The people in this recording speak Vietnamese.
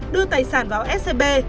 đưa tài sản vào scb